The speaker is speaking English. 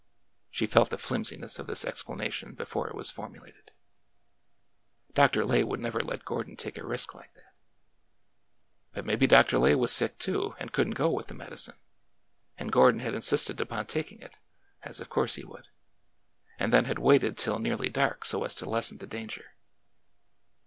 She felt the flimsiness of this explanation before it was formulated. Dr. Lay would never let Gordon take a risk like that. But maybe Dr. Lay was sick, too, and could n't go with the medicine, and Gordon had insisted upon taking it (as of course he would), and then had waited till nearly dark so as to lessen the danger.